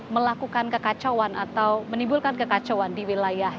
melakukan kekacauan atau menimbulkan kekacauan di wilayah